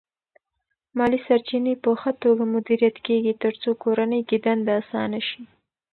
مالی سرچینې په ښه توګه مدیریت کېږي ترڅو کورنۍ کې دنده اسانه شي.